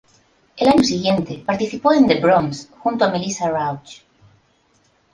El año siguiente participó en "The Bronce" junto a Melissa Rauch.